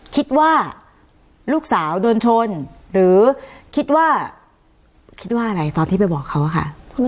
คิดว่าลูกสาวโดนชนหรือคิดว่าคิดว่าอะไรตอนที่ไปบอกเขาอะค่ะ